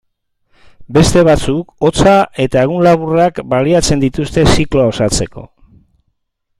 Beste batzuk, hotza eta egun laburrak baliatzen dituzte zikloa osatzeko.